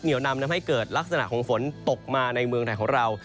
นำทำให้เกิดลักษณะของฝนตกมาในเมืองไทยของเรา